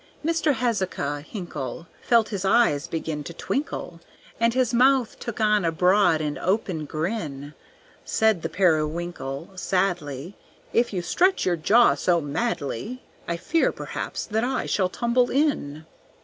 Mr. Hezekiah Hinkle Felt his eyes begin to twinkle, And his mouth took on a broad and open grin; Said the Periwinkle, sadly, "If you stretch your jaw so madly, I fear perhaps that I shall tumble in."